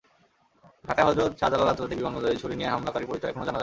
ঢাকায় হজরত শাহজালাল আন্তর্জাতিক বিমানবন্দরে ছুরি নিয়ে হামলাকারীর পরিচয় এখনো জানা যায়নি।